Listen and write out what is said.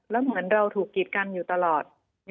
แล้วเหมือนเราถูกกีดกันอยู่ตลอด